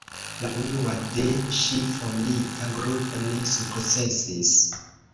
La unua de ŝi fondita grupo ne sukcesis.